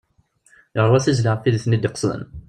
Yerwa tizli ɣef wid iten-id-iqesden.